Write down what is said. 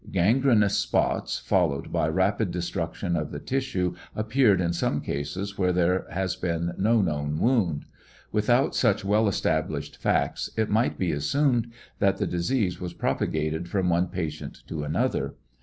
Gangrenous spots followed by rapid destruction of the tissue appeared in some cases where there has been no known wound. Without such well established facts, it might be assumed that the disease was propagated from one patient to another.